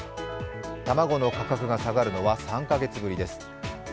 卵の価格が下がるのは３か月ぶりです。